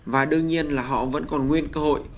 và đương nhiên là họ vẫn còn nguyên cơ hội